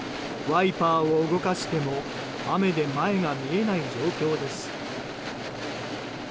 ワイパーを動かしても雨で前が見えない状態です。